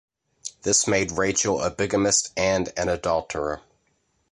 This made Rachel a bigamist and an adulterer.